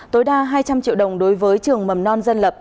tối đa hai trăm linh triệu đồng đối với trường mầm non dân lập